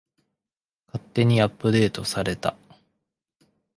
勝手にアップデートされた